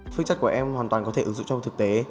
phương chất của em hoàn toàn có thể ứng dụng trong thực tế